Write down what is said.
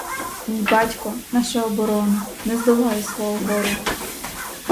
Мій батько, наша оборона, не здолаю свого горя!